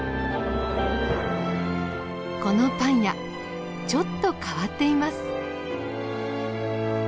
このパン屋ちょっと変わっています。